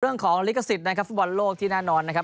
เรื่องของลิขสิทธิ์นะครับฟุตบอลโลกที่แน่นอนนะครับ